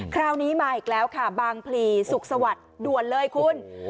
คราวนี้มาอีกแล้วค่ะบางพลีสุขสวัสดิ์ด่วนเลยคุณ